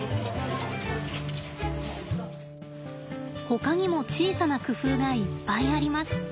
ほかにも小さな工夫がいっぱいあります。